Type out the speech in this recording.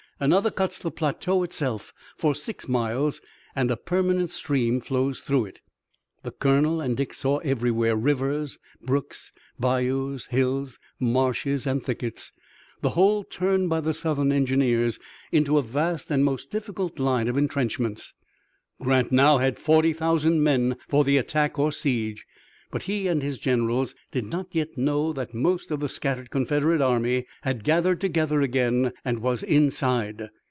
Another cuts the plateau itself for six miles, and a permanent stream flows through it. The colonel and Dick saw everywhere rivers, brooks, bayous, hills, marshes and thickets, the whole turned by the Southern engineers into a vast and most difficult line of intrenchments. Grant now had forty thousand men for the attack or siege, but he and his generals did not yet know that most of the scattered Confederate army had gathered together again, and was inside.